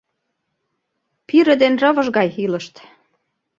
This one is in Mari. Пире ден рывыж гай илышт.